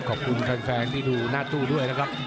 ขอบคุณแฟนที่ดูหน้าตู้ด้วยนะครับ